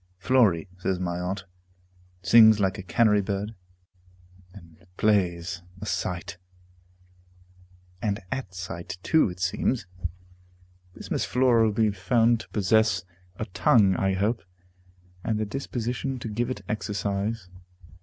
"Flory," says my aunt, "sings like a canary bird, and plays a sight," and at sight too, it seems. This Miss Flora will be found to possess a tongue, I hope, and the disposition to give it exercise.